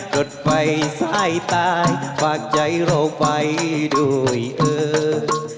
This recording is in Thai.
ดไฟสายตายฝากใจเราไปด้วยเอ่ย